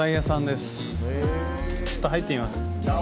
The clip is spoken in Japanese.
ちょっと入ってみます。